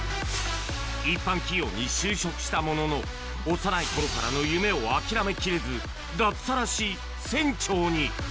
一般企業に就職したものの、幼いころからの夢を諦めきれず、脱サラし、船長に。